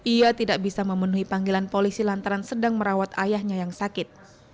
ia tidak bisa memenuhi panggilan polisi lantaran sedang merawat ayahnya yang sakit